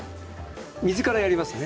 水からやりますね。